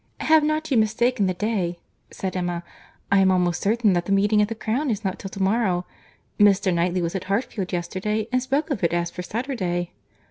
"Have not you mistaken the day?" said Emma. "I am almost certain that the meeting at the Crown is not till to morrow.—Mr. Knightley was at Hartfield yesterday, and spoke of it as for Saturday."